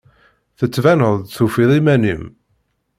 Tettbineḍ-d tufiḍ iman-im.